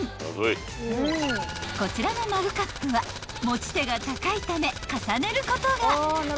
［こちらのマグカップは持ち手が高いため重ねることが］